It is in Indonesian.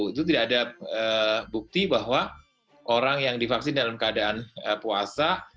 itu tidak ada bukti bahwa orang yang divaksin dalam keadaan puasa